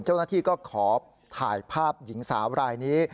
เจ้าหน้าที่ก็ขอถ่ายภาพหญิงสาวรายนี้